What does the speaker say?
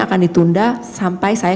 akan ditunda sampai saya